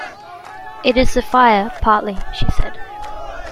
It is the fire, partly, she said.